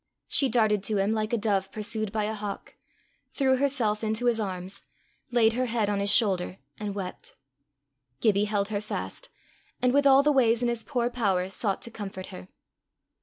She darted to him like a dove pursued by a hawk, threw herself into his arms, laid her head on his shoulder, and wept. Gibbie held her fast, and with all the ways in his poor power sought to comfort her.